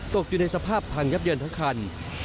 ตกอยู่ในสภาพพังยับเยินทั้งคัน